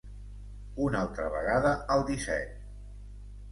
Una altra vegada al disset.